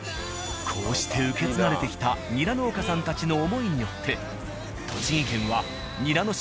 こうして受け継がれてきたニラ農家さんたちの思いによって。